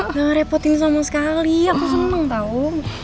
nggak repotin sama sekali aku seneng tau